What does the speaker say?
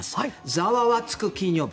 ざわわつく金曜日。